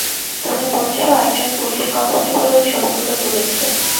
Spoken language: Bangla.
তুমি বলছো একজন পুলিশ কনস্টেবল ওই ছবিগুলো তুলেছে?